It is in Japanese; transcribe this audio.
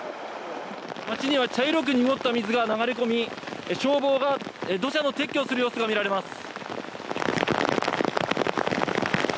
町には茶色く濁った水が流れ込み消防が土砂の撤去する様子が見られます。